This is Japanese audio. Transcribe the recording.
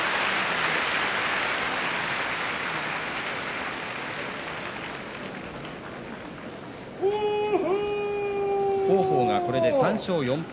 拍手王鵬がこれで３勝４敗。